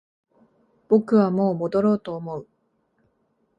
僕はもう戻ろうと思う